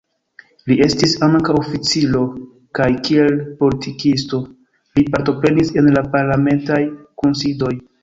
Li estis ankaŭ oficiro kaj kiel politikisto, li partoprenis en la parlamentaj kunsidoj.